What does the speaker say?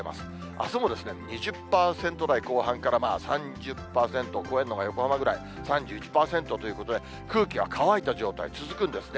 あすもですね、２０％台後半から３０％を超えるのが横浜ぐらい、３１％ということで、空気が乾いた状態続くんですね。